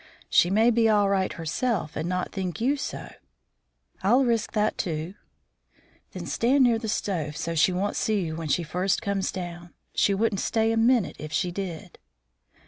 "She may be all right herself and not think you so." "I'll risk that, too." "Then stand near the stove so she won't see you when she first comes in. She wouldn't stay a minute if she did."